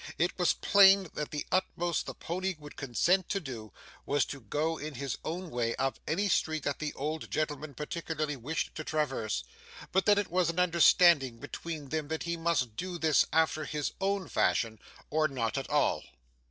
It was plain that the utmost the pony would consent to do, was to go in his own way up any street that the old gentleman particularly wished to traverse, but that it was an understanding between them that he must do this after his own fashion or not at all.